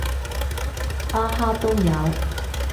巴哈都有